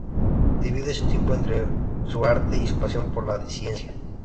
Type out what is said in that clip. Divide su tiempo entre su arte y su pasión por la ciencia.